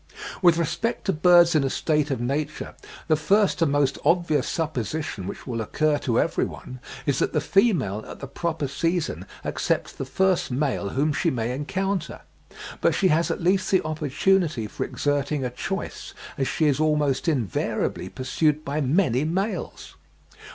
With respect to birds in a state of nature, the first and most obvious supposition which will occur to every one is that the female at the proper season accepts the first male whom she may encounter; but she has at least the opportunity for exerting a choice, as she is almost invariably pursued by many males.